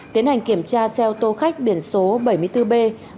tiến hành kiểm tra xe ô tô khách biển số bảy mươi bốn b hai trăm sáu mươi tám